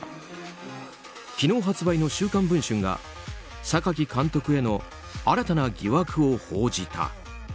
昨日発売の「週刊文春」が榊監督への新たな疑惑を報じた。